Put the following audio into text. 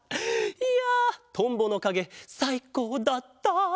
いやトンボのかげさいこうだった。